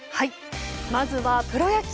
まずはプロ野球。